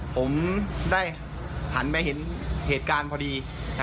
ผมได้หันมาเห็นเหตุการณ์พอดี